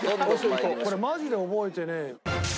俺マジで覚えてねえよ。